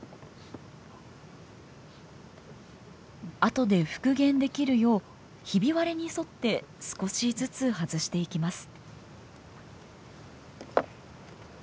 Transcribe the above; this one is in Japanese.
後で復元できるようひび割れに沿って少しずつ外していきます。